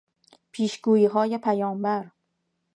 پیشگوییهای پیامبر